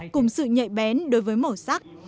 cùng sự nhạy bén đối với màu sắc